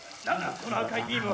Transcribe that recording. この赤いビームは。